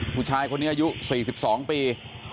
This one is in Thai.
ผู้ชายคนนี้อายุ๔๒ปี